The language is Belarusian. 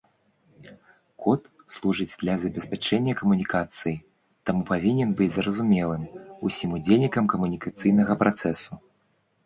Код служыць для забеспячэння камунікацыі, таму павінен быць зразумелым усім удзельнікам камунікацыйнага працэсу.